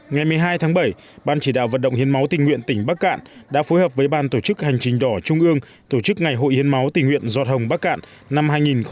ngày một mươi hai tháng bảy ban chỉ đạo vận động hiến máu tình nguyện tỉnh bắc cạn đã phối hợp với ban tổ chức hành trình đỏ trung ương tổ chức ngày hội hiến máu tình nguyện giọt hồng bắc cạn năm hai nghìn một mươi chín